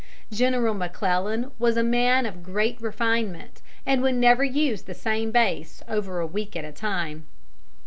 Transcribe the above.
General McClellan was a man of great refinement, and would never use the same base over a week at a time.